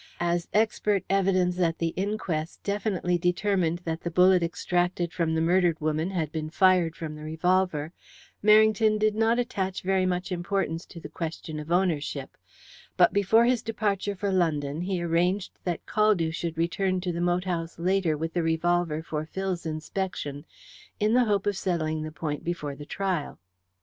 As expert evidence at the inquest definitely determined that the bullet extracted from the murdered woman had been fired from the revolver, Merrington did not attach very much importance to the question of ownership, but before his departure for London he arranged that Caldew should return to the moat house later with the revolver for Phil's inspection, in the hope of settling the point before the trial.